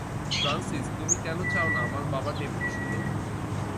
Francis, তুমি কেনো চাওনা আমার বাবা টেপটি শুনুক?